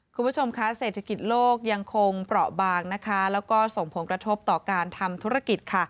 คุณผู้ชมคะเศรษฐกิจโลกยังคงเปราะบางนะคะแล้วก็ส่งผลกระทบต่อการทำธุรกิจค่ะ